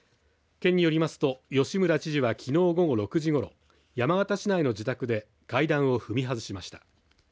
県によりますと吉村知事はきのう午後６時ごろ山形市内の自宅で階段を踏み外しました。